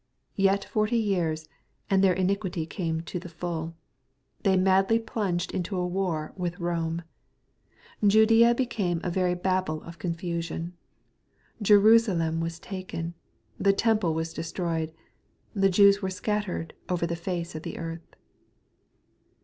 Yet forty years, and their iniquity came to the fall. They madly plunged into a war with Eome. Judaea became a very Babel of confusion. Jerusalem was taken. The temple was destroyed. The Jews were scattered over the face of the earth.